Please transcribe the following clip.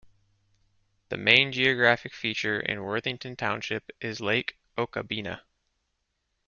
The main geographic feature in Worthington Township is Lake Okabena.